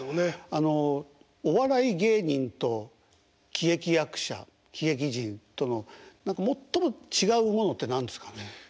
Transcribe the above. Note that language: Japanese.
あのお笑い芸人と喜劇役者喜劇人との最も違うものって何ですかね。